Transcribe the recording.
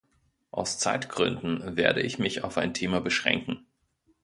Aus Zeitgründen werde ich mich auf ein Thema beschränken.